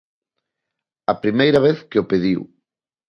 A primeira vez que o pediu.